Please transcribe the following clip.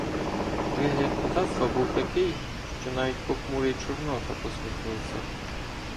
Вигляд козацтва був такий, що навіть похмурий Чорнота посміхнувся.